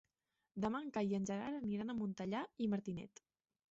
Demà en Cai i en Gerard aniran a Montellà i Martinet.